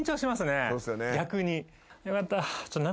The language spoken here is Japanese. よかった。